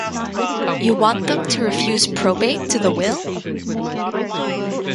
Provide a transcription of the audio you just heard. You want them to refuse probate to the will?